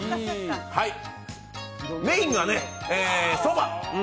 メインがそば。